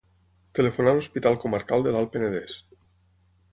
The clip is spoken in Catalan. Telefonar a l'Hospital Comarcal de l'Alt Penedès.